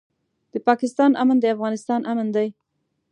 د پاکستان امن د افغانستان امن دی.